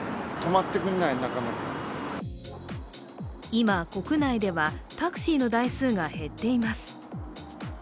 今、国内ではタクシーの台数が減っています。